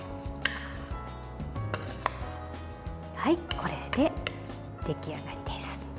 これで出来上がりです。